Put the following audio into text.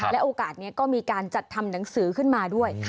และโอกาสนี้ก็มีการจัดทำหนังสือขึ้นมาด้วย